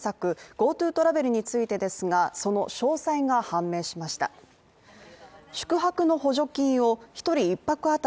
ＧｏＴｏトラベルについてですが、その詳細が判明しました。